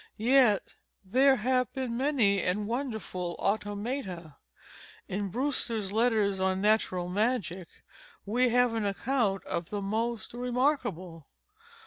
Yet there have been many and wonderful automata. In Brewster's Letters on Natural Magic, we have an account of the most remarkable.